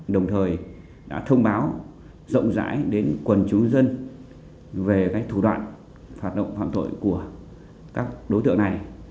đồng thời đã thông báo rộng rãi đến quần chú dân về các thủ đoạn phạt động phạm tội của các đối tượng này